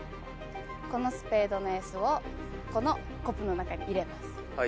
このスペードのエースをこのコップの中に入れます。